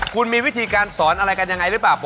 คุณมีวิธีการสอนอะไรกันยังไงด้วยบ้าง